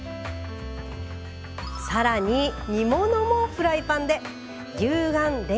更に煮物もフライパンで。